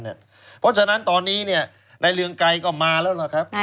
เพราะฉะนั้นตอนนี้ในเรืองไกรก็มาแล้วล่ะครับ